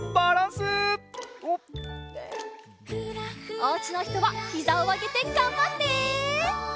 おうちのひとはひざをあげてがんばって！